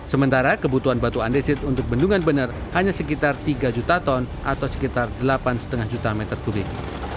sementara kebutuhan batu andesit untuk bendungan bener hanya sekitar tiga juta ton atau sekitar delapan lima juta meter kubik